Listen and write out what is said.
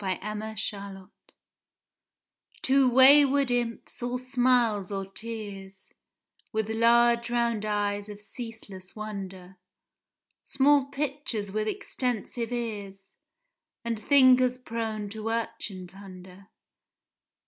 THE FOUR SEASONS Two wayward imps, all smiles or tears, With large round eyes of ceaseless wonder, Small pitchers with extensive ears, And fingers prone to urchin plunder.